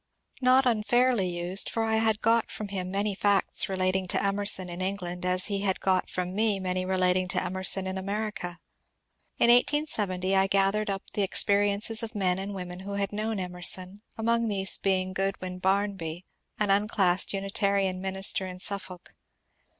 Not unfairly used, for I had got from him many facts relating to Emerson in England as he had got from me many relating to Emerson in America. In 1870 I gathered up the experiences of men and women who had known Emerson, among these being Goodwyn Barmby, an unclassed Unitarian minister in Suf folk.